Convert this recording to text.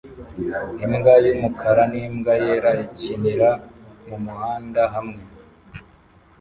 Imbwa y'umukara n'imbwa yera ikinira mumuhanda hamwe